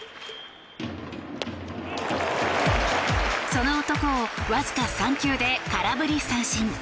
その男をわずか３球で空振り三振。